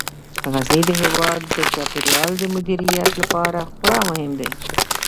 غزني د هیواد د چاپیریال د مدیریت لپاره خورا مهم دی.